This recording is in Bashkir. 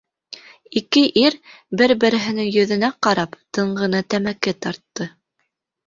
Ике ир, бер-береһенең йөҙөнә ҡарап, тын ғына тәмәке тартты.